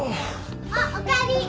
あっおかえり。